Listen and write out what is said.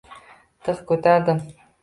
Tig’ ko’tardim.